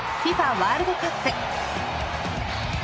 ワールドカップ。